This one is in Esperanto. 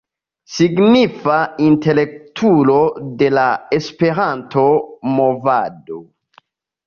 Signifa intelektulo de la Esperanto-movado.